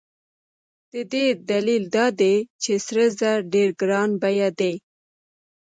د دې دلیل دا دی چې سره زر ډېر ګران بیه دي.